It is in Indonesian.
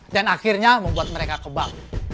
dan akhirnya membuat mereka kebal